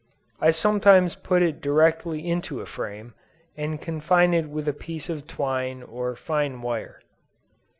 I sometimes put it directly into a frame, and confine it with a piece of twine, or fine wire.